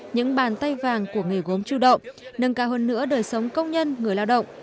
những bàn tay vàng của nghề gốm chú động nâng cao hơn nữa đời sống công nhân người lao động